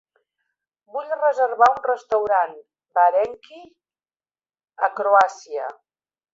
Vull reservar un restaurant varenyky a Croàcia.